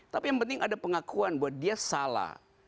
tapi yang penting ada pengakuan bahwa dia salah